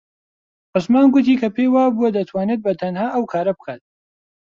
عوسمان گوتی کە پێی وابوو دەتوانێت بەتەنها ئەو کارە بکات.